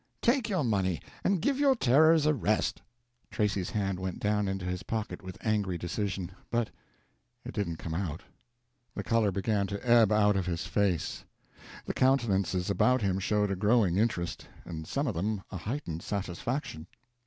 Take your money and give your terrors a rest." Tracy's hand went down into his pocket with angry decision. But—it didn't come out. The color began to ebb out of his face. The countenances about him showed a growing interest; and some of them a heightened satisfaction.